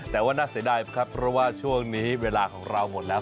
แต่ว่าน่าเสียดายครับเพราะว่าช่วงนี้เวลาของเราหมดแล้ว